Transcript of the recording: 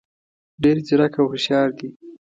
ډېر ځیرک او هوښیار دي.